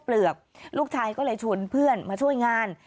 ลูกชายก็เลยชวนเพื่อนมาช่วยงาน